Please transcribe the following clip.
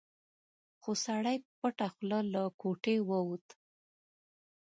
خو سړی په پټه خوله له کوټې ووت.